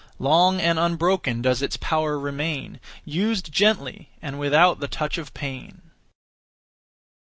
Long and unbroken does its power remain, Used gently, and without the touch of pain.